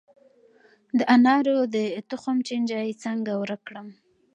د انارو د تخم چینجی څنګه ورک کړم؟